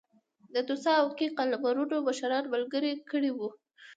د توسا او اکي قلمرونو مشران ملګري کړي وو.